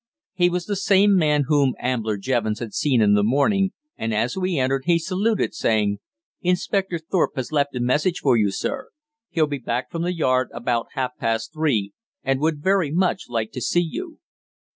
He was the same man whom Ambler Jevons had seen in the morning, and as we entered he saluted, saying: "Inspector Thorpe has left a message for you, sir. He'll be back from the Yard about half past three, and would very much like to see you."